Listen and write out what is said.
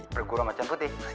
pergurau macan putih